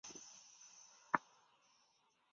徐渭人。